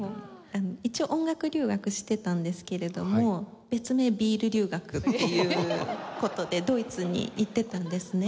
一応音楽留学してたんですけれども別名ビール留学っていう事でドイツに行ってたんですね。